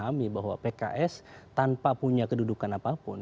jadi kita juga harus memahami bahwa pks tanpa punya kedudukan apapun